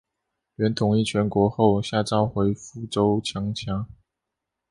元统一全国后下诏毁福州城墙。